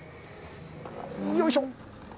よいしょ。